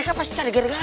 ya udah kita ke rumah